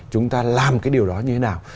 chúng ta làm cái điều đó như thế nào